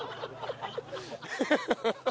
ハハハハ。